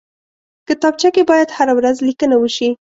کتابچه کې باید هره ورځ لیکنه وشي